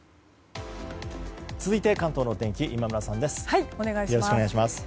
続いて関東の天気今村さんです。